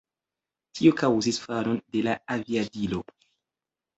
Tio kaŭzis falon de la aviadilo.